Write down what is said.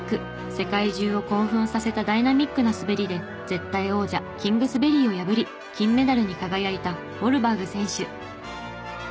世界中を興奮させたダイナミックな滑りで絶対王者キングスベリーを破り金メダルに輝いたウォルバーグ選手。